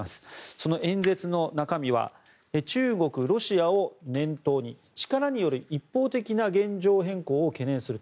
その演説の中身は中国、ロシアを念頭に力による一方的な現状変更を懸念すると。